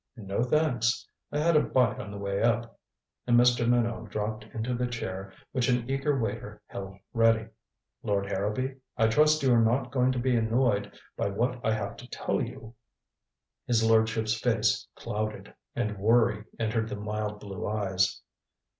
"No, thanks. I had a bite on the way up." And Mr. Minot dropped into the chair which an eager waiter held ready. "Lord Harrowby, I trust you are not going to be annoyed by what I have to tell you." His lordship's face clouded, and worry entered the mild blue eyes.